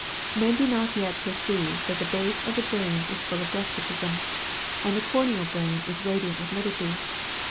"Men do not yet perceive that the base of the brain is full of despotism, and the coronal brain is radiant with liberty.